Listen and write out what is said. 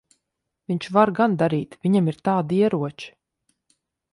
Viņš var gan darīt. Viņam ir tādi ieroči.